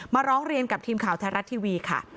ร้องเรียนกับทีมข่าวไทยรัฐทีวีค่ะ